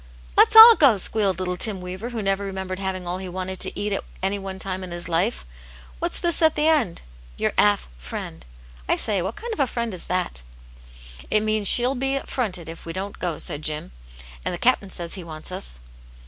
*' Let's all go," squealed little Tim Weaver, who never remembered having all he wanted to eat at any one time in his life. " What's this at the end ? Your 'aff.' friend. I say, what kind of a friend is that?'^ " It means that she'll be affronted if we don't go," said Jim. " And the Cap'n says he wants us."